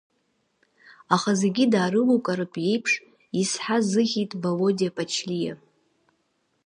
Аха зегьы даарылукааратәы еиԥш изҳа-изыӷьеит Володиа Ԥачлиа.